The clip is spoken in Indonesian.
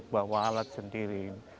bawa alat sendiri